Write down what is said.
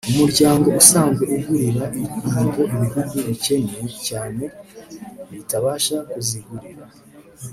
umuryango usanzwe ugurira inkingo ibihugu bikennye cyane bitabasha kuzigurira